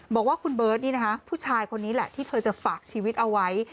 บอกว่าคุณเบิร์ตนี่นะคะผู้ชายคนนี้แหละที่เธอจะฝากชีวิตเอาไว้